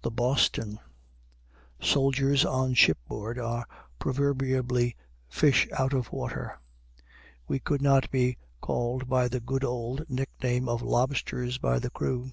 THE "BOSTON" Soldiers on shipboard are proverbially fish out of water. We could not be called by the good old nickname of "lobsters" by the crew.